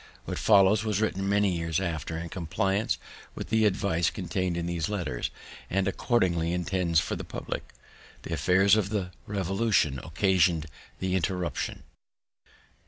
What follows was written many years after in compliance with the advice contain'd in these letters, and accordingly intended for the public. The affairs of the Revolution occasion'd the interruption.